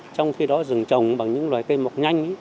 trong khi đó rừng trồng bằng những loài cây mọc nhanh